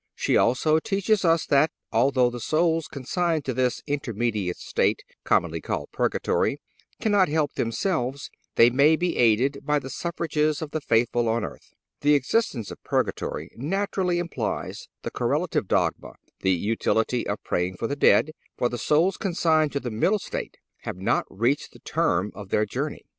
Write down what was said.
She also teaches us that, although the souls consigned to this intermediate state, commonly called purgatory, cannot help themselves, they may be aided by the suffrages of the faithful on earth. The existence of purgatory naturally implies the correlative dogma—the utility of praying for the dead—for the souls consigned to this middle state have not reached the term of their journey.